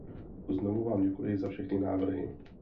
Znovu vám děkuji za všechny návrhy.